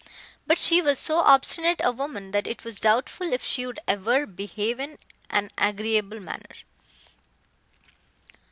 But she was so obstinate a woman that it was doubtful if she would ever behave in an agreeable manner.